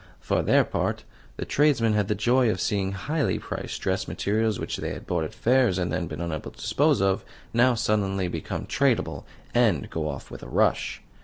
For their part, the tradesmen had the joy of seeing highly priced dress materials which they had bought at fairs, and then been unable to dispose of, now suddenly become tradeable, and go off with a rush.